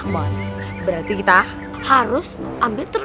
hai enak berarti kita harus ambil telur